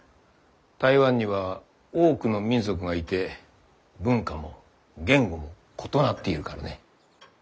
台湾には多くの民族がいて文化も言語も異なっているからね。